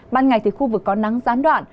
ban ngày khu vực có nắng gián đoạn